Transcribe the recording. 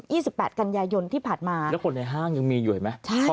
ี่สิบแปดกันยายนที่ผ่านมาแล้วคนในห้างยังมีอยู่เห็นไหมใช่